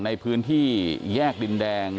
ในพื้นที่แยกดินแดง